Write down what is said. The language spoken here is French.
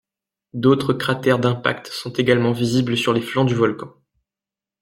D'autres cratères d'impact sont également visibles sur les flancs du volcan.